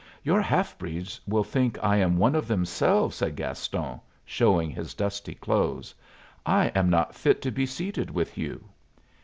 "Your half breeds will think I am one of themselves," said Gaston, showing his dusty clothes. "I am not fit to be seated with you."